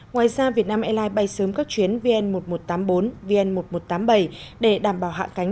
ngoài ra việt nam airlines bay sớm các chuyến vn một nghìn một trăm tám mươi bốn vn một nghìn một trăm tám mươi bảy để đảm bảo hạ cánh